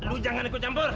lu jangan ikut campur